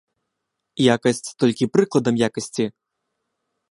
Якасць, толькі прыкладам якасці.